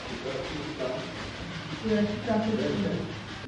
Na území se vyskytuje řada vzácnějších rostlinných druhů.